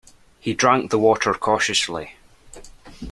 He drank of the water cautiously.